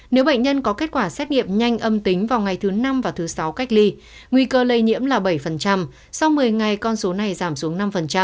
nếu bệnh nhân có kết quả xét nghiệm nhanh âm tính vào ngày thứ năm và thứ sáu cách ly nguy cơ lây nhiễm là bảy sau một mươi ngày con số này giảm xuống năm